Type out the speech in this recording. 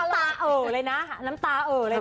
น้ำตาเอ่อเลยนะค่ะน้ำตาเอ่อเลยนะ